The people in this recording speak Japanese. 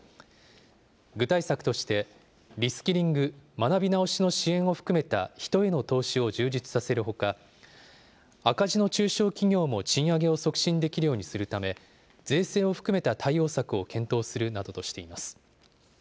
具体策として、リスキリング・学び直しの支援を含めた、人への投資を充実させるほか、赤字の中小企業も賃上げを促進できるようにするため、税制を含めた対応策を検討するなどとしています。